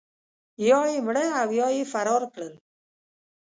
یا یې مړه او یا یې فرار کړل.